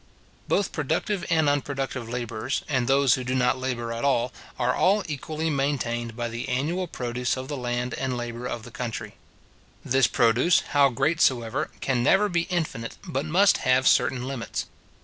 Both productive and unproductive labourers, and those who do not labour at all, are all equally maintained by the annual produce of the land and labour of the country. This produce, how great soever, can never be infinite, but must have certain limits.